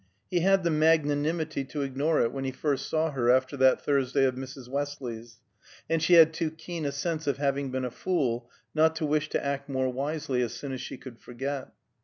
He had the magnanimity to ignore it when he first saw her after that Thursday of Mrs. Westley's, and she had too keen a sense of having been a fool not to wish to act more wisely as soon as she could forget.